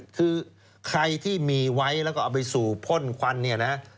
คือใครที่มีไว้แล้วก็เอาไปสู่พ่นควันเนี่ยนะฮะ